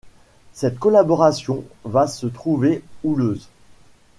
Cette collaboration va se trouver houleuse.